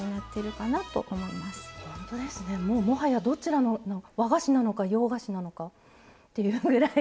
もうもはやどちらの和菓子なのか洋菓子なのかっていうぐらい。